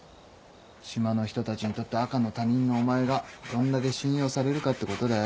島の人たちにとって赤の他人のお前がどんだけ信用されるかってことだよ。